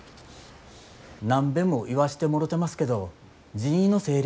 何べんも言わしてもろてますけど人員の整理お願いします。